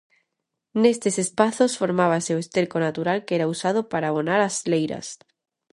Nestes espazos formábase o esterco natural que era usado para abonar as leiras.